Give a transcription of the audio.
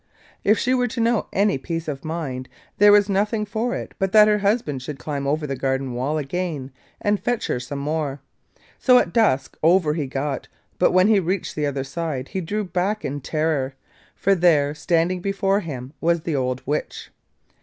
If she were to know any peace of mind, there was nothing for it but that her husband should climb over the garden wall again, and fetch her some more. So at dusk over he got, but when he reached the other side he drew back in terror, for there, standing before him, was the old witch.